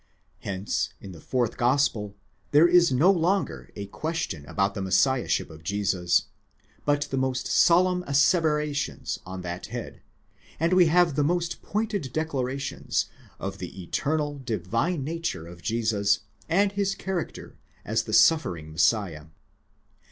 Hence in the fourth gospel there is no longer a question about the Messiahship of Jesus, but the most solemn asseverations on that head, and we have the most pointed declarations of the eternal, divine nature of Jesus, and his character as the suffering Messiah.